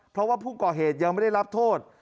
เพราะว่าผู้ก่อเหตุยังไม่ได้รับโทษ